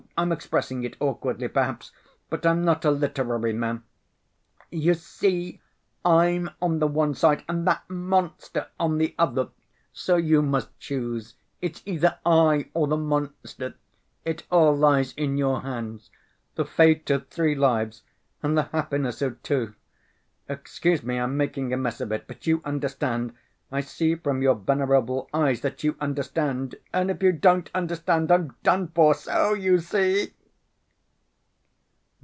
I'm expressing it awkwardly, perhaps, but I'm not a literary man. You see, I'm on the one side, and that monster on the other. So you must choose. It's either I or the monster. It all lies in your hands—the fate of three lives, and the happiness of two.... Excuse me, I'm making a mess of it, but you understand ... I see from your venerable eyes that you understand ... and if you don't understand, I'm done for ... so you see!"